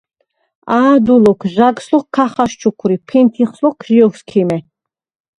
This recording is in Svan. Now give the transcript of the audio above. “ა̄დუ ლოქ, ჟაგს ლოქ ქა ხაშჩუქვრი, ფინთიხს ლოქ ჟ’ოსქიმე”.